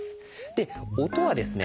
で音はですね